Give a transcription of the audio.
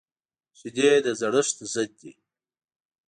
شیدې د زړښت ضد دي